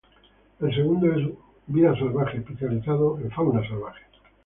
El segundo es Wild Life, especializado en fauna salvaje.